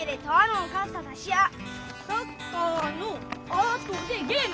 サッカーのあとでゲーム！